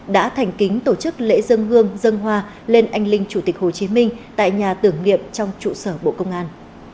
đã thành kính tổ chức lễ dân hương dân hoa lên anh linh chủ tịch hồ chí minh tại nhà tưởng niệm trong trụ sở bộ công an